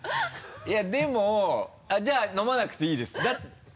いやでもじゃあ飲まなくていいです。